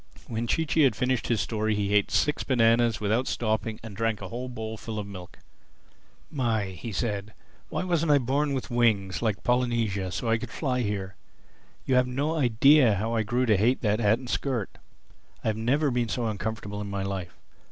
When Chee Chee had finished his story he ate six bananas without stopping and drank a whole bowlful of milk. "My!" he said, "why wasn't I born with wings, like Polynesia, so I could fly here? You've no idea how I grew to hate that hat and skirt. I've never been so uncomfortable in my life.